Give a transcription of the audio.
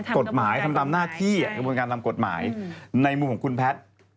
กฎหมายทำตามหน้าที่กระบวนการตามกฎหมายในมุมของคุณแพทย์